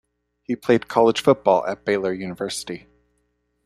He played college football at Baylor University.